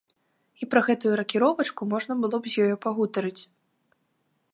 І пра гэтую ракіровачку можна было б з ёю пагутарыць.